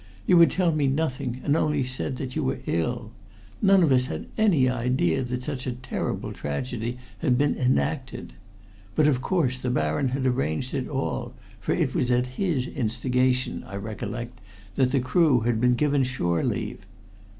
You would tell me nothing, and only said you were ill. None of us had any idea that such a terrible tragedy had been enacted. But of course the Baron had arranged it all, for it was at his instigation, I recollect, that the crew had been given shore leave.